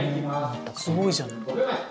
すごいじゃない。